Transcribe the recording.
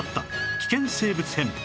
危険生物編